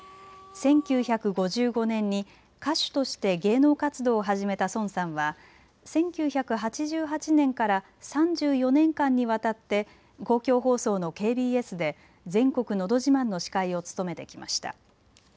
１９５５年に歌手として芸能活動を始めたソンさんは１９８８年から３４年間にわたって公共放送のＫＢＳで全国のど自慢の司会を務めてきました。